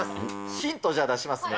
ヒント、じゃあ、出しますね。